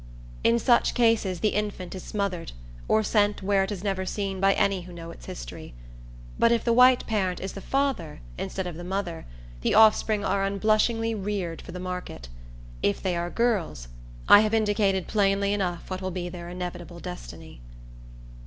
In such cases the infant is smothered, or sent where it is never seen by any who know its history. But if the white parent is the father, instead of the mother, the offspring are unblushingly reared for the market. If they are girls, I have indicated plainly enough what will be their inevitable destiny.